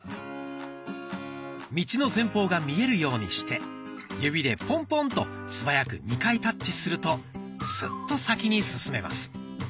道の前方が見えるようにして指でポンポンと素早く２回タッチするとスッと先に進めます。